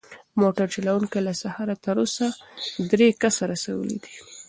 موټر چلونکی له سهاره تر اوسه درې کسه رسولي دي.